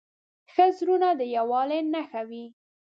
ښه زړونه د یووالي نښه وي.